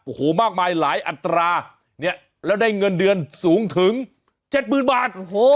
โอ้โหมากมายหลายอัตราเนี่ยแล้วได้เงินเดือนสูงถึงเจ็ดหมื่นบาทโอ้โห